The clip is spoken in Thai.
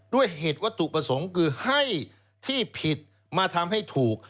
ด้วยเหตุวัตถุประสงค์คือให้ที่ผิดมาทำให้ถูก